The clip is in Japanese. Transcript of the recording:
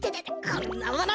こんなもの！